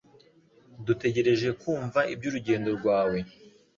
Dutegereje kumva ibyurugendo rwawe